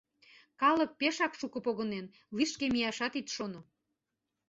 Калык пешак шуко погынен, лишке мияшат ит шоно.